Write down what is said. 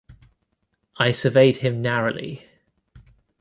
I surveyed him narrowly.